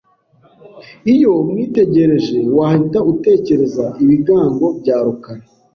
iyo umwitegereje, wahita utekereza ibigango bya Rukara